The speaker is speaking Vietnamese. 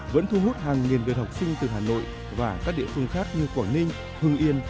vẫn thu hút hàng nghìn lượt học sinh từ hà nội và các địa phương khác như quảng ninh hưng yên